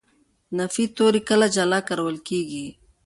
نفي توري کله جلا کارول کېږي.